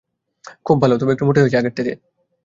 খুব ভালো, তবে একটু মোটা হয়েছে আগের থেকে।